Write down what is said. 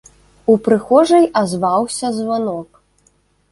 У прыхожай азваўся званок.